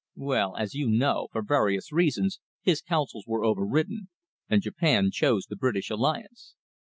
Well, as you know, for various reasons his counsels were over ridden, and Japan chose the British alliance.